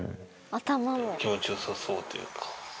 気持ちよさそうというか。